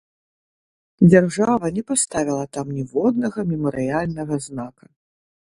Дзяржава не паставіла там ніводнага мемарыяльнага знака.